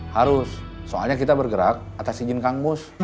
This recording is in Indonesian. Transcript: harus soalnya kita bergerak atas izin kang mus